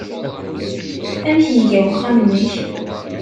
Amek iga uxxam-nnek?